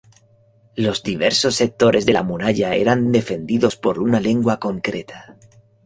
Los diversos sectores de la muralla eran defendidos por una lengua concreta.